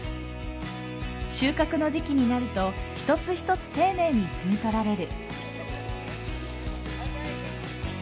収穫の時期になると、１つ１つ丁寧に摘み取られる。